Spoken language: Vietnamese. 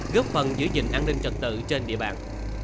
góp phần giữ gìn an ninh trật tự trên địa bàn